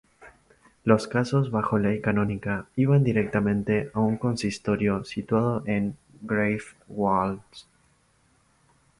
Los casos bajo ley canónica iban directamente a un consistorio situado en Greifswald.